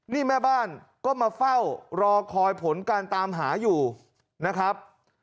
นี่แม่บ้านก็มาเฝ้ารอคอยผลการตามหาอยู่นะครับ